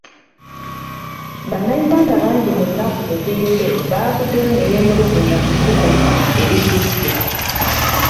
Bannayuganda bangi mu nnaku eziyise bavuddeyo ne beemulugunya ku bbugumu erisusse.